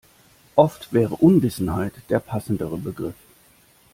Oft wäre Unwissenheit der passendere Begriff.